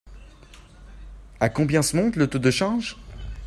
À combien se monte le taux de change ?